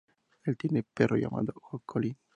Él tiene un perro llamado Colin.